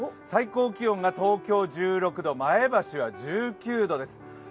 最高気温が東京１６度、前橋は１９度です。